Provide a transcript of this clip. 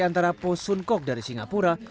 antara po sun kok dari singapura